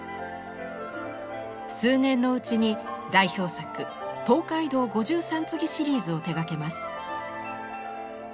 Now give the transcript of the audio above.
数年のうちに代表作「東海道五拾三次」シリーズを手がけます。